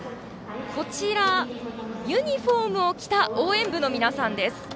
こちら、ユニフォームを着た応援部の皆さんです。